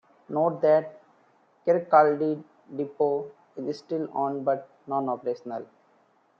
Note that Kirkcaldy depot is still owned but non-operational.